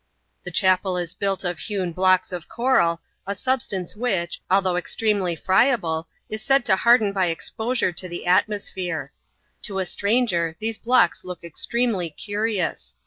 The chapel is built of hewn bloob of coral ; a substance which, although extremely friable, is said to harden by exposure to the atmosphere. To a stranger, these blocks look extremely curious.